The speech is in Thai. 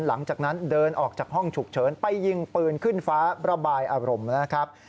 หลังจากนั้นเดินออกจากห้องฉุกเฉินไปยิงปืนขึ้นฟ้าระบายอารมณ์นะครับ